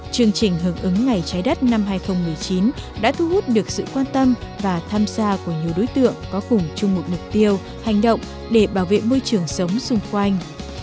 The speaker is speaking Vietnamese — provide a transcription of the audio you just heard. chương trình hưởng ứng ngày trái đất năm hai nghìn một mươi chín đã thu hút được sự quan tâm và tham gia của nhiều đối tượng có cùng chung một mục tiêu hành động để bảo vệ môi trường sống xung quanh